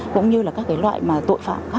cũng như là các loại tội phạm khác